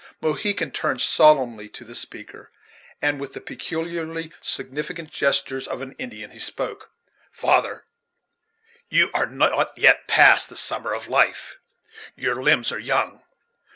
Mohegan turned solemnly to the speaker, and, with the peculiarly significant gestures of an Indian, he spoke: "Father, you are not yet past the summer of life; your limbs are young.